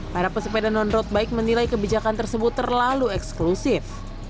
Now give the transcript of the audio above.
para pesepeda non road bike menilai kebijakan tersebut terlalu eksklusif